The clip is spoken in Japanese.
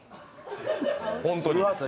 本当に？